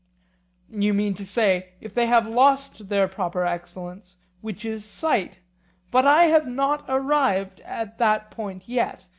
You mean to say, if they have lost their proper excellence, which is sight; but I have not arrived at that point yet.